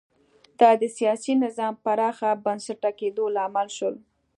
دا د سیاسي نظام پراخ بنسټه کېدو لامل شول